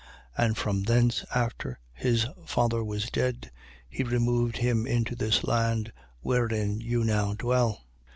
And from thence, after his father was dead, he removed him into this land, wherein you now dwell.